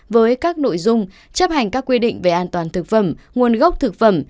với các nội dung chấp hành các quy định về an toàn thực phẩm nguồn gốc thực phẩm